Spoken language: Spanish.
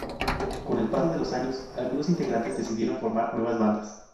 Con el paso de los años, algunos integrantes decidieron formar nuevas bandas.